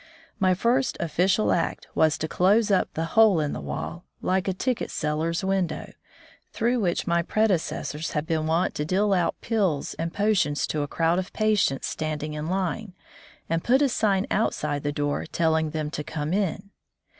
My first official act was to close up the ''hole in the wall", like a ticket seller's window, through which my predecessors had been wont to 78 A Doctor among the Indians deal out pills and potions to a crowd of patients standing in line, and put a sign outside the door telling them to come in.